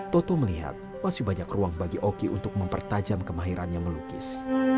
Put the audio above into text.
toto melihat masih banyak ruang bagi oki untuk mempertajam kemahirannya melukis